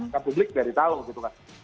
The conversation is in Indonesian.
kan publik biar di tahu gitu kan